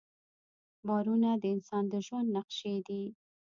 باورونه د انسان د ژوند نقشې دي.